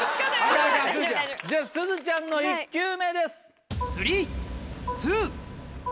ではすずちゃんの１球目です。